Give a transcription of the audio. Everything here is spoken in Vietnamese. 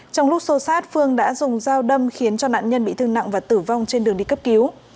trong lúc xô xát phương đã dùng dao đâm khiến nạn nhân bị thương nặng và tử vong trên đường đi cấp cứu